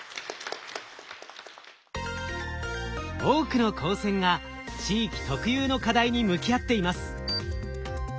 多くの高専が地域特有の課題に向き合っています。